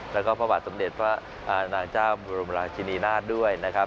แล้วก็พระบาทสมเด็จพระนางเจ้าบรมราชินีนาฏด้วยนะครับ